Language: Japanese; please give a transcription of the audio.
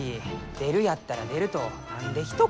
出るやったら出ると何でひと言。